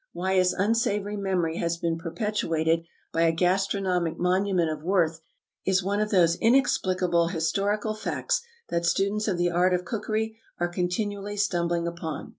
Why his unsavory memory has been perpetuated by a gastronomic monument of worth, is one of those inexplicable historical facts that students of the art of cookery are continually stumbling upon.